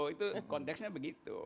itu konteksnya begitu